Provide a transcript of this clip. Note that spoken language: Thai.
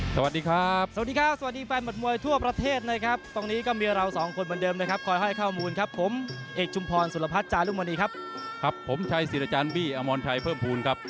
สวัสดีครับสวัสดีครับสวัสดีแฟนหมดมวยทั่วประเทศนะครับตรงนี้ก็มีเราสองคนเหมือนเดิมนะครับคอยให้ข้อมูลครับผมเอกชุมพรสุรพัฒน์จารุมณีครับครับผมชัยสิทธิ์อาจารย์บี้อมรชัยเพิ่มภูมิครับ